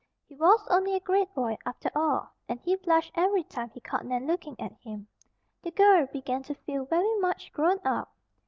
He was only a great boy, after all, and he blushed every time he caught Nan looking at him. The girl began to feel very much grown up.